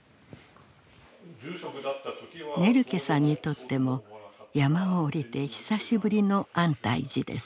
ネルケさんにとっても山を下りて久しぶりの安泰寺です。